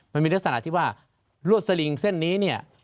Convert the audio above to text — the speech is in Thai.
มันมีลักษณะที่ว่ารวดสลิงเส้นนี้เนี่ย